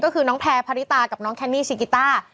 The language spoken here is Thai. ก็คือน้องแพรพาริตากับน้องแคนมี่ซีกีต้า